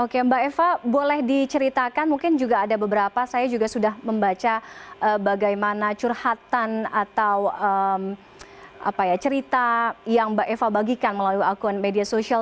oke mbak eva boleh diceritakan mungkin juga ada beberapa saya juga sudah membaca bagaimana curhatan atau cerita yang mbak eva bagikan melalui akun media sosial